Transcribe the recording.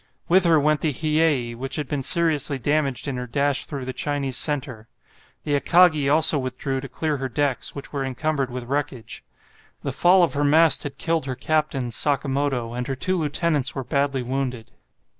With her went the "Hiyei," which had been seriously damaged in her dash through the Chinese centre. The "Akagi" also withdrew to clear her decks, which were encumbered with wreckage. The fall of her mast had killed her captain, Sakamoto, and her two lieutenants were badly wounded.